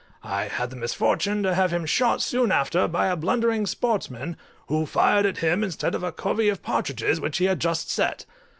I had the misfortune to have him shot soon after by a blundering sportsman, who fired at him instead of a covey of partridges which he had just set.